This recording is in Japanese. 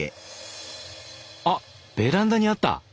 あっベランダにあった！